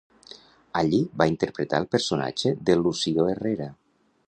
Allí va interpretar el personatge de Lucio Herrera.